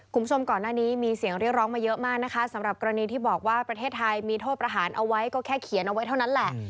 คุณผู้ชมก่อนหน้านี้มีเสียงเรียกร้องมาเยอะมากนะคะสำหรับกรณีที่บอกว่าประเทศไทยมีโทษประหารเอาไว้ก็แค่เขียนเอาไว้เท่านั้นแหละ